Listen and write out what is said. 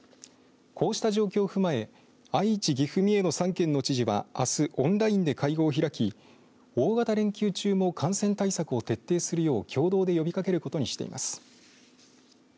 こうした状況を踏まえ愛知、岐阜、三重の３県の知事はあすオンラインで会合を開き大型連休中も感染対策を徹底するよう共同で呼びかけることにしています。